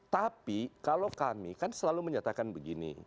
tapi kalau kami kan selalu menyatakan begini